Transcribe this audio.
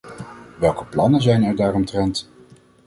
Welke plannen zijn er daaromtrent?